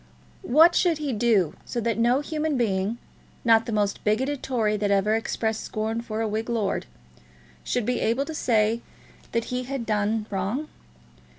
What should he do, so that no human being, not the most bigoted Tory that ever expressed scorn for a Whig lord, should be able to say that he had done wrong?